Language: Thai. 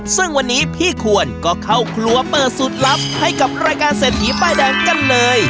ซึ่งวันนี้พี่ควรก็เข้าครัวเปิดสูตรลับให้กับรายการเศรษฐีป้ายแดงกันเลย